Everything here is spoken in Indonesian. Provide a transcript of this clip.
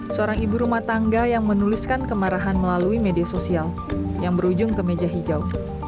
seorang ibu rumah tangga yang menuliskan kemarahan melalui media sosial yang berujung ke meja hijau